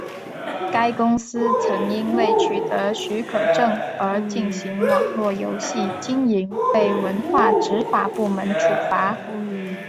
该公司曾因未取得许可证而进行网络游戏经营被文化执法部门处罚。